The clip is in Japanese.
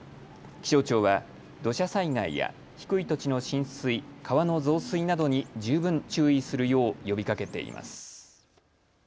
気象庁は土砂災害や低い土地の浸水、川の増水などに十分注意するよう呼びかけています。